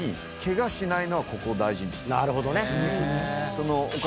なるほどね。